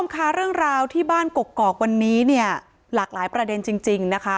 ค่ะเรื่องราวที่บ้านกกอกวันนี้เนี่ยหลากหลายประเด็นจริงนะคะ